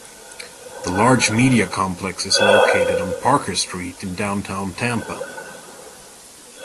The large media complex is located on Parker Street in Downtown Tampa.